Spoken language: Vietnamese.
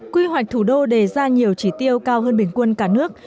quy hoạch thủ đô đề ra nhiều chỉ tiêu cao hơn bình quân cả nước